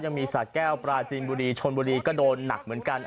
ยังมีสะแก้วปราจีนบุรีชนบุรีก็โดนหนักเหมือนกัน